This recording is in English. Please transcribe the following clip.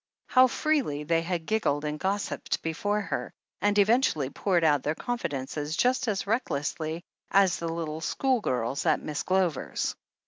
How freely they had giggled and gossiped before her, and eventually poured out their confidences just as recklessly as the little schoolgirls at Miss Glover's